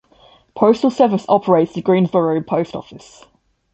Postal Service operates the Greensboro Post Office.